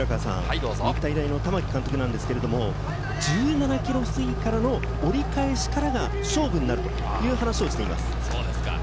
日体大の玉城監督ですが、１７ｋｍ過ぎからの折り返しからが勝負になるという話をしています。